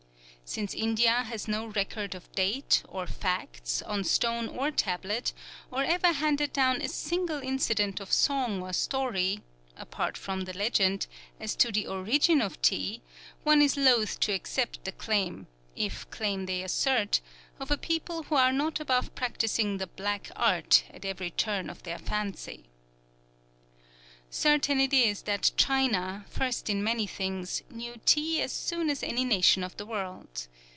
Since India has no record of date, or facts, on stone or tablet, or ever handed down a single incident of song or story apart from the legend as to the origin of tea, one is loath to accept the claim if claim they assert of a people who are not above practising the "black art" at every turn of their fancy. Certain it is that China, first in many things, knew tea as soon as any nation of the world.